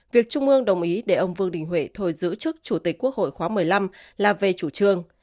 việc trung ương đồng ý để ông vương đình huệ thổi giữ chức chủ tịch quốc hội khóa một mươi năm là về chủ trương